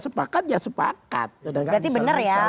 sepakat ya sepakat sudah gak ada misalnya